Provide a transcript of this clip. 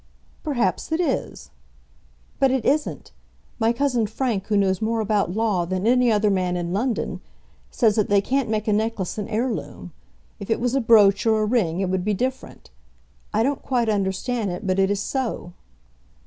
"Perhaps it is." "But it isn't. My cousin Frank, who knows more about law than any other man in London, says that they can't make a necklace an heirloom. If it was a brooch or a ring it would be different. I don't quite understand it, but it is so."